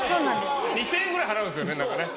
２０００円ぐらい払うんですよね何かね。